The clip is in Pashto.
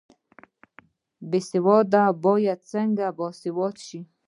بې سواده باید څنګه باسواده شي؟